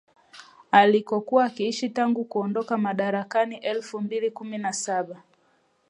alikokuwa akiishi tangu kuondoka madarakani elfu mbili kumi na saba